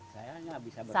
saya nggak bisa berusaha